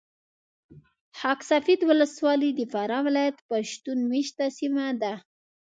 خاک سفید ولسوالي د فراه ولایت پښتون مېشته سیمه ده .